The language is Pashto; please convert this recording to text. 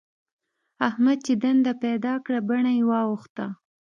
احمد چې دنده پيدا کړه؛ بڼه يې واوښته.